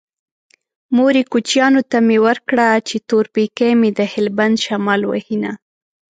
مورې کوچيانو ته مې ورکړه چې تور پېکی مې د هلبند شمال وهينه